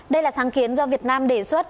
đây là sáng kiến do việt nam đề xuất